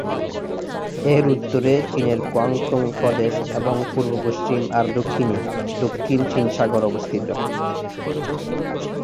এর উত্তরে চীনের কুয়াংতুং প্রদেশ এবং পূর্ব, পশ্চিম আর দক্ষিণে দক্ষিণ চীন সাগর অবস্থিত।